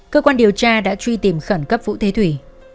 cơ quan điều tra đã truy tìm khẩn cấp vũ thế thủy